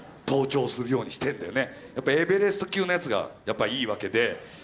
やっぱりエベレスト級のやつがやっぱりいいわけで。